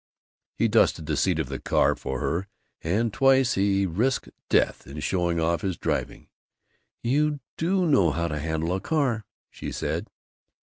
He dusted the seat of the car for her, and twice he risked death in showing off his driving. "You do know how to handle a car!" she said.